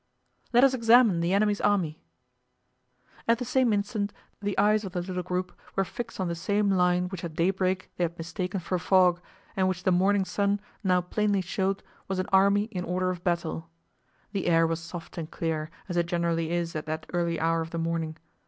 "Let us examine the enemy's army." At the same instant the eyes of the little group were fixed on the same line which at daybreak they had mistaken for fog and which the morning sun now plainly showed was an army in order of battle. The air was soft and clear, as it generally is at that early hour of the morning.